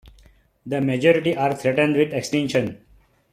The majority are threatened with extinction.